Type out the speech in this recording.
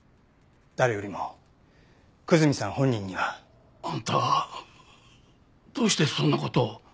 誰よりも久住さん本人には。あんたどうしてそんな事を。